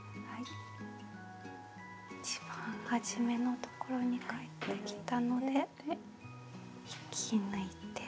一番はじめのところに返ってきたので引き抜いて。